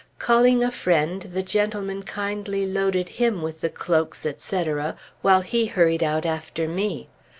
Calling a friend, the gentleman kindly loaded him with the cloaks, etc., while he hurried out after me.